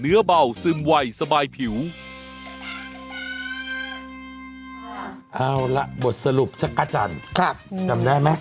เอาละบทสรุปจักรจันทร์จำได้ไหม